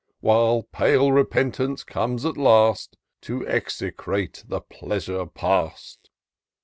While pale repentance comes at last, To execrate the pleasure past